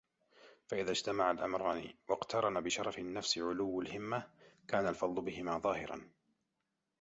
فَإِذَا اجْتَمَعَ الْأَمْرَانِ وَاقْتَرَنَ بِشَرَفِ النَّفْسِ عُلُوُّ الْهِمَّةِ كَانَ الْفَضْلُ بِهِمَا ظَاهِرًا